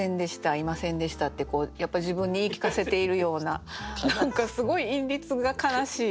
「いませんでした」ってやっぱ自分に言い聞かせているような何かすごい韻律が悲しい。